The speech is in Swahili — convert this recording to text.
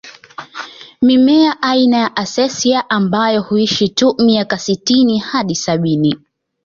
Mimea aina ya Acacia ambayo huishi tu miaka sitini hadi sabini